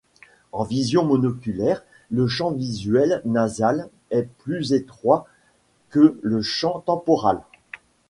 En vision monoculaire, le champ visuel nasal est plus étroit que le champ temporal.